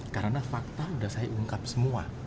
karena fakta sudah saya ungkap semua